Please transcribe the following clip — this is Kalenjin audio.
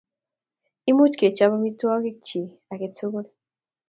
Imuch kochop amitwogik chi ake tukul.